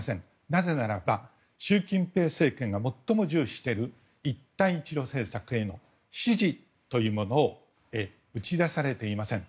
なぜならば習近平政権が最も重視している一帯一路政策への支持というものを打ち出されていません。